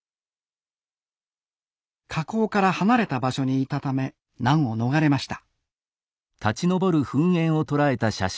火口から離れた場所にいたため難を逃れました